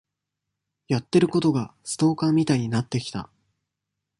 やってることがストーカーみたいになってきた。